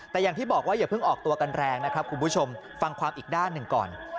แต่อย่างที่บอกว่าอย่าเพิ่งออกตัวกันแรงนะครับคุณผู้ชมฟังความอีกด้านหนึ่งก่อน